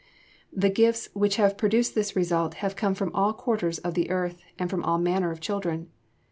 The gifts which have produced this result have come from all quarters of the earth and from all manner of children.